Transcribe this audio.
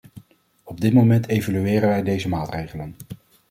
Op dit moment evalueren wij deze maatregelen.